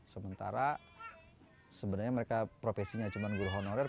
sementara sebenarnya mereka profesinya cuma guru honorer